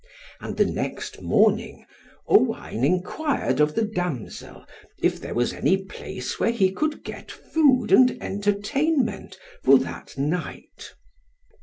And the next morning Owain enquired of the damsel, if there was any place where he could get food and entertainment for that night.